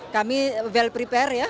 kami well prepare ya